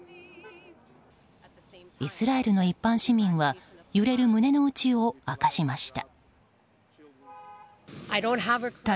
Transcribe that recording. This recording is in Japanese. イスラエルの一般市民は揺れる胸の内を明かしました。